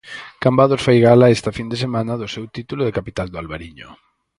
Cambados fai gala esta fin de semana do seu título de capital do albariño.